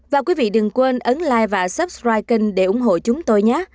và quý vị đừng quên ấn like và subscribe kênh để ủng hộ chúng tôi nhé